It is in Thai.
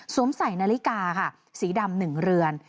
สวมใส่นาฬิกาค่ะสีดำหนึ่งเรือน